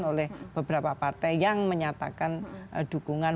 oleh beberapa partai yang menyatakan dukungan